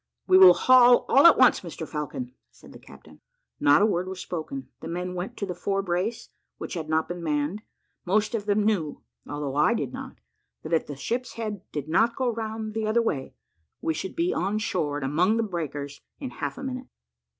We will haul all at once, Mr Falcon," said the captain. Not a word was spoken; the men went to the fore brace, which had not been manned; most of them knew, although I did not, that if the ship's head did not go round the other way, we should be on shore, and among the breakers, in half a minute.